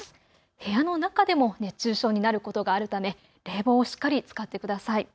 部屋の中でも熱中症になることがあるため冷房をしっかり使ってください。